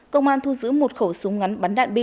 công an thu giữ một khẩu súng ngắn bắn đạn bi